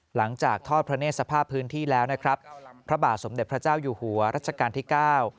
หลังจากทอดพระเนธสภาพพื้นที่แล้วนะครับพระบาทสมเด็จพระเจ้าอยู่หัวรัชกาลที่เก้า